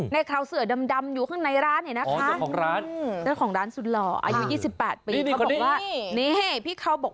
คราวเสือดำอยู่ข้างในร้านเนี่ยนะคะ